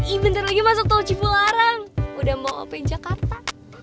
ih bentar lagi masuk tol cipu larang udah mau op jakarta